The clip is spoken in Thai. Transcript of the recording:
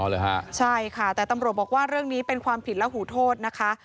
ใช่ค่ะใช่ค่ะแต่ตำรวจบอกว่าเรื่องนี้เป็นความผิดและหูโทษนะคะ